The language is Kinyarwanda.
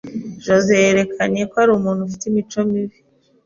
Jos é yerekanye ko ari umuntu ufite imico mibi.